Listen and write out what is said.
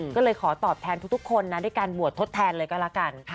ก็เลยขอตอบแทนทุกคนนะด้วยการบวชทดแทนเลยก็แล้วกัน